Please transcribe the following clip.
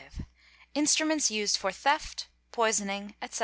—Instruments used for theft, poisoning, etc.